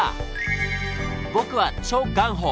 僕はチョ・ガンホ。